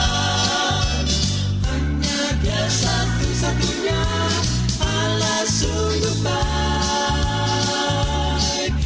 hanya dia satu satunya ala sungguh baik